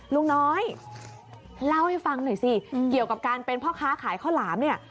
ลุงน้อยเล่าให้ฟังหน่อยสิเกี่ยวกับการเป็นพ่อค้าขายข้าวหลามเนี่ย